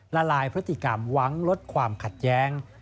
ละลายพฤติกรรมหวังลดความขัดแย้ง